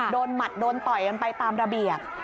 หมัดโดนต่อยกันไปตามระเบียบ